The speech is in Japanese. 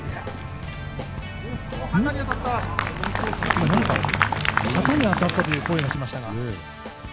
今、何か、旗に当たったという声がしましたが。